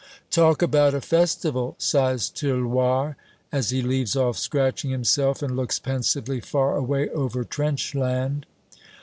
"Talk about a festival!" sighs Tirloir, as he leaves off scratching himself, and looks pensively far away over Trenchland.